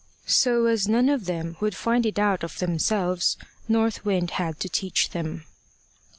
So as none of them would find it out of themselves, North Wind had to teach them.